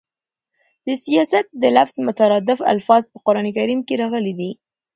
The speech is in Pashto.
د سیاست د لفظ مترادف الفاظ په قران کريم کښي راغلي دي.